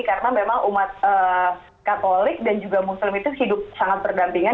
karena memang umat katolik dan juga muslim itu hidup sangat berdampingan